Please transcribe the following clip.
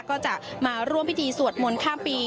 ก็จะมาร่วมพิธีสวดมนต์ข้ามปี